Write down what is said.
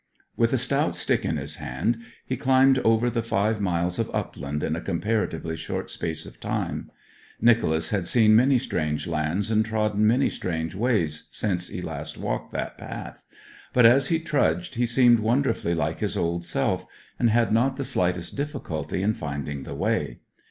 With a stout stick in his hand he climbed over the five miles of upland in a comparatively short space of time. Nicholas had seen many strange lands and trodden many strange ways since he last walked that path, but as he trudged he seemed wonderfully like his old self, and had not the slightest difficulty in finding the way.